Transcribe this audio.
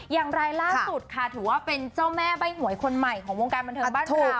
อย่างไรล่าสุดค่ะถือว่าเป็นเจ้าแม่ใบ้หวยคนใหม่ของวงการบันเทิงบ้านเรา